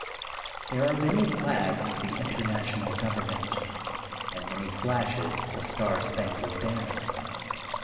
There are many flags of the International Government and many flashes of the Star Spangled Banner.